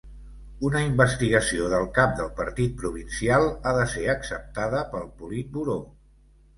Una investigació del cap del partit provincial ha de ser acceptada pel Politburó.